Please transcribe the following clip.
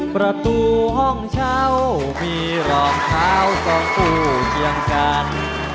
ประตูห้องเช่ามีรองเท้าซ้อนคู่เคียงกัน